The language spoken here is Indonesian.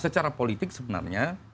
secara politik sebenarnya